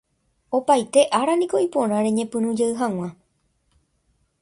Opaite áraniko iporã reñepyrũjey hag̃ua